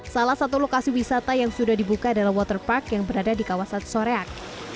salah satu lokasi wisata yang sudah dibuka adalah waterpark yang berada di kawasan soreak